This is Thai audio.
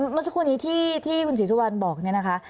เมื่อสักครู่นี้ที่คุณศรีสุวรรณบอกเนี่ยนะคะ